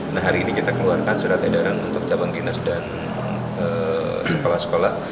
nah hari ini kita keluarkan surat edaran untuk cabang dinas dan sekolah sekolah